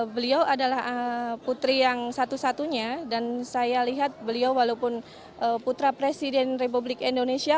beliau adalah putri yang satu satunya dan saya lihat beliau walaupun putra presiden republik indonesia